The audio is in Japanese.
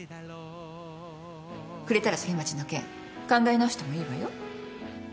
くれたらソリマチの件考え直してもいいわよ。